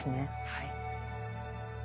はい。